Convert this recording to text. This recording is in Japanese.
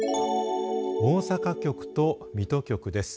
大阪局と水戸局です。